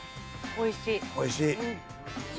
おいしい。